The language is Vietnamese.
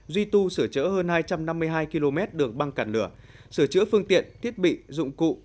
duy tu sửa chữa hơn hai trăm năm mươi hai km đường băng cản lửa sửa chữa phương tiện thiết bị dụng cụ